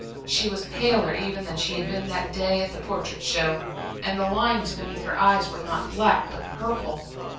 She was paler even than she had been that day at the Portrait Show, and the lines beneath her eyes were not black, but purple.